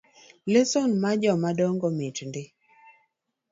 Lesno mar jomadongo mit ndi